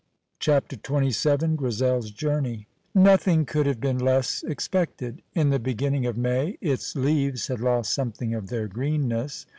CHAPTER XXVII GRIZEL'S JOURNEY Nothing could have been less expected. In the beginning of May its leaves had lost something of their greenness.